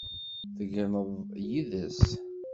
Tegneḍ yid-s?